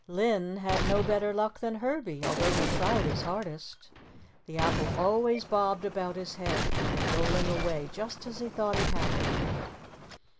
Linn had no better luck than Herbie, although he tried his hardest. The apple always bobbed about his head, rolling away just as he thought he had it.